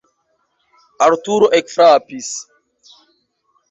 Arturo ekfrapis.